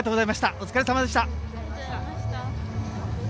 お疲れ様でした。